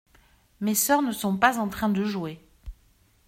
Mes sœurs ne sont pas en train de jouer.